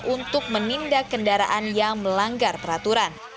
untuk menindak kendaraan yang melanggar peraturan